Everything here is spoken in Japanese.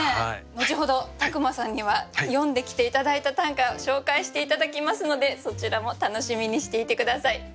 後ほど宅間さんには詠んできて頂いた短歌紹介して頂きますのでそちらも楽しみにしていて下さい。